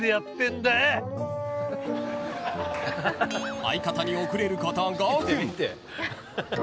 ［相方に遅れること５分］